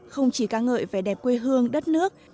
không chỉ ca ngợi vẻ đẹp quê hương đất nước